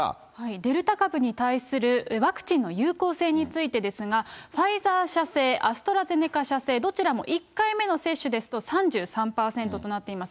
デルタ株に対するワクチンの有効性についてですが、ファイザー社製、アストラゼネカ社製、どちらも１回目の接種ですと、３３％となっています。